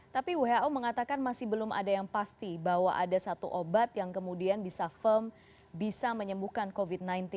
tapi who mengatakan masih belum ada yang pasti bahwa ada satu obat yang kemudian bisa firm bisa menyembuhkan covid sembilan belas